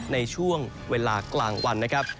ในช่วงเวลากลางวันนะครับ